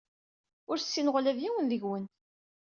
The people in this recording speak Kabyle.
Ur ssineɣ ula d yiwen deg-wen.